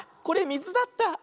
これみずだった。